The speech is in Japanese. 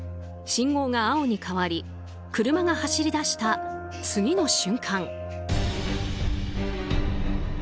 信号が青に変わり車が走り出した次の瞬間。